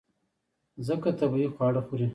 ځکه طبیعي خواړه خوري.